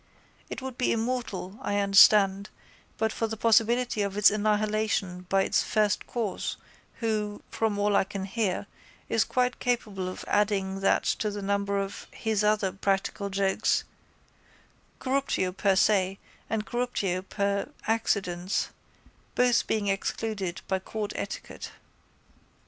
It would be immortal, I understand, but for the possibility of its annihilation by its First Cause Who, from all I can hear, is quite capable of adding that to the number of His other practical jokes, corruptio per se and corruptio per accidens both being excluded by court etiquette.